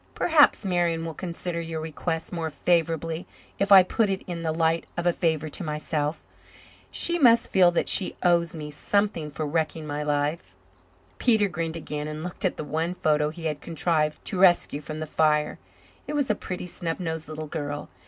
Perhaps Marian will consider your request more favourably if I put it in the light of a favour to myself. She must feel that she owes me something for wrecking my life." Peter grinned again and looked at the one photo he had contrived to rescue from the fire. It was a pretty, snub nosed little girl.